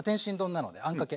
あんかけ！